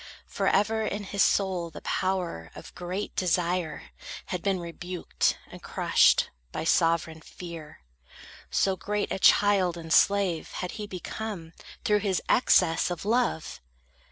For ever in his soul the power Of great desire had been rebuked and crushed By sovereign fear. So great a child and slave Had he become, through his excess of love!